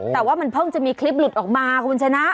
แต่ว่ามันเพิ่งจะมีคลิปหลุดออกมาคุณชนะ